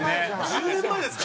１０年前ですか？